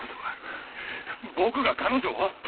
僕が彼女を！？